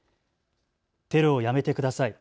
テロをやめてください。